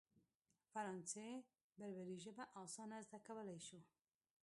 فرانسې بربري ژبه اسانه زده کولای شو.